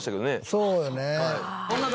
そうよね。